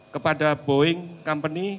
kepada boeing company